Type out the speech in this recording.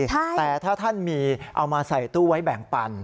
แต่ถ้าท่านมีเอามาใส่ตู้ไว้แบ่งปัน